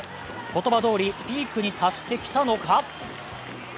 言葉どおりピークに達してきたのか？